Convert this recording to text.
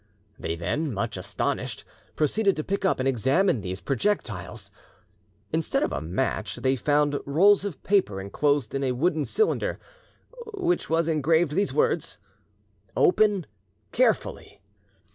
They then, much astonished, proceeded to pick up and examine these projectiles. Instead of a match, they found rolls of paper enclosed in a wooden cylinder, on which was engraved these words, "Open carefully."